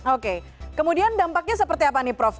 oke kemudian dampaknya seperti apa nih prof